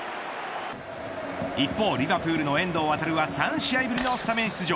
一方、リヴァプールの遠藤航は３試合ぶりのスタメン出場。